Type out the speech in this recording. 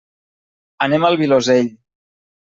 Anem al Vilosell.